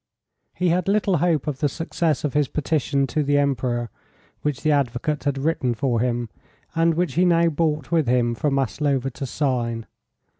He had little hope of the success of his petition to the Emperor, which the advocate had written for him, and which he now brought with him for Maslova to sign.